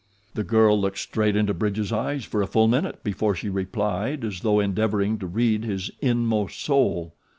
The girl looked straight into Bridge's eyes for a full minute before she replied as though endeavoring to read his inmost soul.